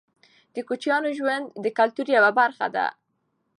د کوچیانو ژوند د کلتور یوه برخه ده.